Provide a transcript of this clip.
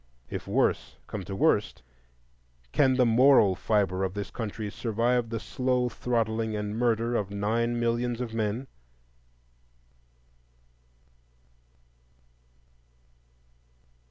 If worse come to worst, can the moral fibre of this country survive the slow throttling and murder of nine millions of men?